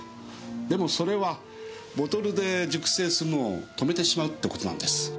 でもそれはボトルで熟成するのを止めてしまうって事なんです。